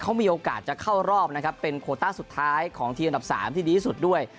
เขามีโอกาสจะเข้ารอบนะครับเป็นโคต้าสุดท้ายของทีมอันดับ๓ที่ดีที่สุดด้วย